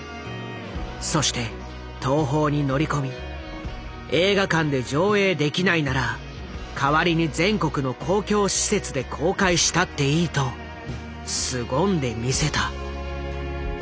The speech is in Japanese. そして東宝に乗り込み「映画館で上映できないなら代わりに全国の公共施設で公開したっていい」とすごんでみせた。